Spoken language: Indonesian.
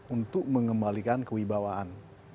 untuk mengembalikan kewibawaan